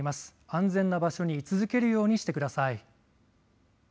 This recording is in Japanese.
安全な場所に居続けるようにしてください。